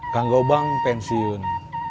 kang gobang pensiun